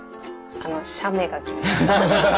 あの写メが来ました。